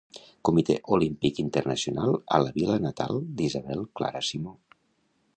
Comitè Olímpic Internacional a la vila natal d'Isabel Clara-Simó.